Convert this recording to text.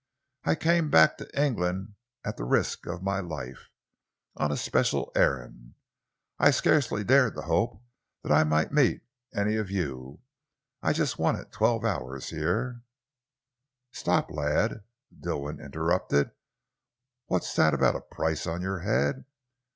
I came back to England at the risk of my life, on a special errand. I scarcely dared to hope that I might meet any of you. I just wanted twelve hours here " "Stop, lad!" Dilwyn interrupted. "What's that about a price on your head?